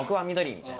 みたいな。